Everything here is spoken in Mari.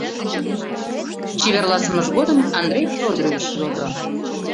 Чеверласымыж годым Андрей Федорович йодо: